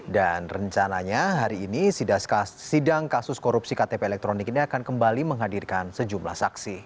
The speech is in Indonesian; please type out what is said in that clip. dan rencananya hari ini sidang kasus korupsi ktp elektronik ini akan kembali menghadirkan sejumlah saksi